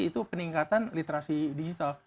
itu peningkatan literasi digital